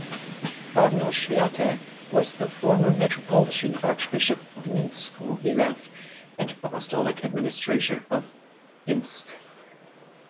Cardinal Swiatek was the former Metropolitan Archbishop of Minsk-Mohilev, and Apostolic Administrator of Pinsk.